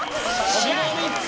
白３つ！